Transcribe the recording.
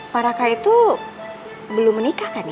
pak raka itu belum menikah kan ya